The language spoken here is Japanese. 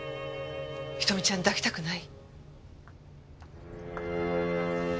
瞳ちゃん抱きたくない？